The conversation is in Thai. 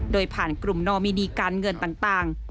โดยผ่านกลุ่มนอมินีการเงินต่าง